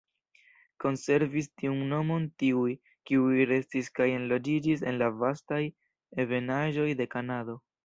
Konservis tiun nomon tiuj, kiuj restis kaj enloĝiĝis en la vastaj ebenaĵoj de Kanado.